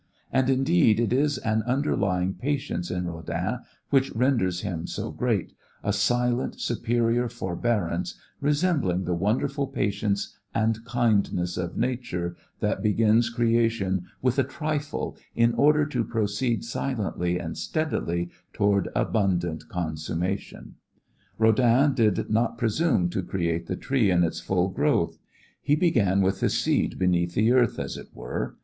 And, indeed, it is an underlying patience in Rodin which renders him so great, a silent, superior forbearance resembling the wonderful patience and kindness of Nature that begins creation with a trifle in order to proceed silently and steadily toward abundant consummation. Rodin did not presume to create the tree in its full growth. He began with the seed beneath the earth, as it were.